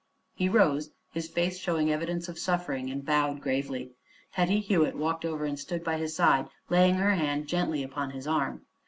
He rose, his face showing evidence of suffering, and bowed gravely. Hetty Hewitt walked over and stood by his side, laying her hand gently upon his arm.